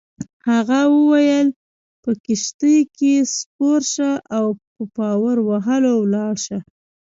هغه وویل: په کښتۍ کي سپور شه او په پارو وهلو ولاړ شه.